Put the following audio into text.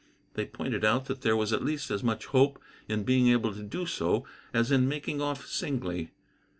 They pointed out that there was at least as much hope in being able to do so as in making off singly.